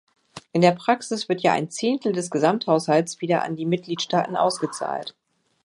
In der Praxis wird ja ein Zehntel des Gesamthaushalts wieder an die Mitgliedstaaten ausgezahlt.